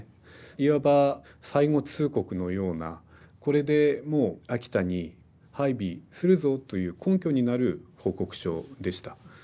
いわば最後通告のような「これでもう秋田に配備するぞ」という根拠になる報告書でした。